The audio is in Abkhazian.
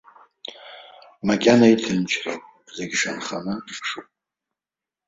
Макьана иҭынчроуп, зегь шанханы иԥшуп.